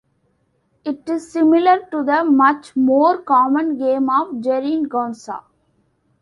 It is similar to the much more common game of "jeringonza".